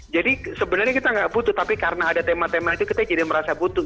jadi sebenarnya kita nggak butuh tapi karena ada tema tema itu kita jadi merasa butuh